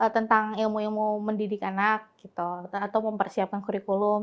tentang ilmu ilmu mendidik anak atau mempersiapkan kurikulum